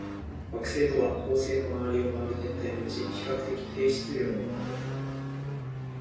惑星とは、恒星の周りを回る天体のうち、比較的低質量のものをいう。